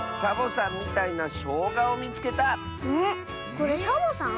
これサボさん？